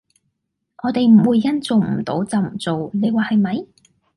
我地唔會因做唔到就唔做，你話係咪？